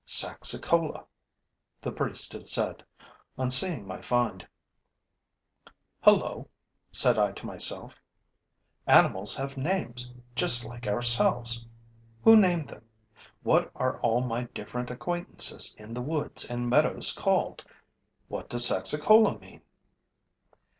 'Saxicola,' the priest had said, on seeing my find. 'Hullo!' said I to myself. 'Animals have names, just like ourselves. Who named them? What are all my different acquaintances in the woods and meadows called? What does Saxicola mean?'